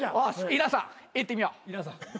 稲さんいってみよう。